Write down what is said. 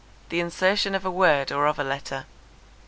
The insertion of a word or of a letter.